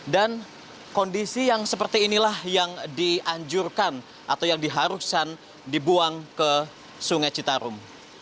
dan kondisi yang seperti inilah yang dianjurkan atau yang diharusan dibuang ke sungai citarum